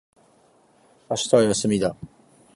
明日は休みだ